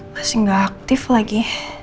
masih nggak aktif lagi